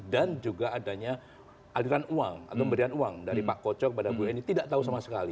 dan juga adanya aliran uang atau pemberian uang dari pak kocok pada bueni tidak tahu sama sekali